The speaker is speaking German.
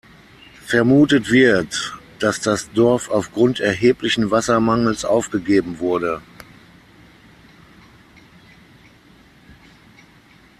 Vermutet wird, dass das Dorf aufgrund erheblichen Wassermangels aufgegeben wurde.